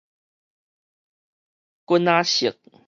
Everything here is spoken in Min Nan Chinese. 棍仔式